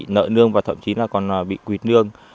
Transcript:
nợ nương và thậm chí là còn bị quỳt nương